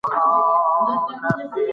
شهیدان ښخ سول.